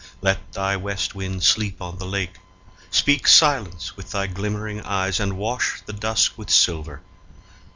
Let thy West Wind sleep on The lake; speak silence with thy glimmering eyes, And wash the dusk with silver.